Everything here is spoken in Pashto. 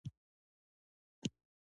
په افغانستان کې آب وهوا ډېر اهمیت لري.